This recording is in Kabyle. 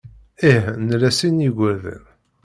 Ih, nla sin n yigerdan.